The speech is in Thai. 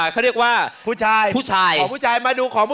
แต่ละอย่าง